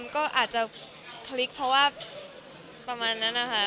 ก็อาจจะคลิกเพราะว่าประมาณนั้นนะคะ